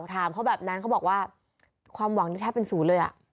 ถามเขาแบบนั้นเขาบอกว่าความหวังนี่แทบเป็นศูนย์เลยอ่ะ